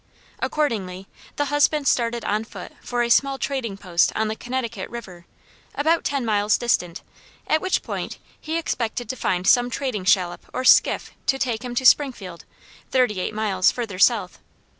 Accordingly, the husband started on foot for a small trading post on the Connecticut River, about ten miles distant, at which point he expected to find some trading shallop or skiff to take him to Springfield, thirty eight miles further south.